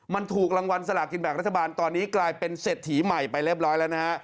มันถูกรางวัลสลากินแบ่งรัฐบาลตอนนี้กลายเป็นเศรษฐีใหม่ไปเรียบร้อยแล้วนะฮะ